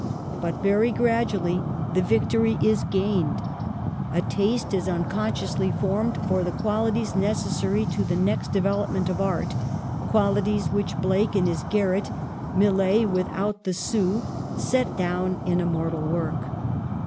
But very gradually the victory is gained. A taste is unconsciously formed for the qualities necessary to the next development of art — qualities which Blake in his garret, Millet with out the sou, set down in immortal work.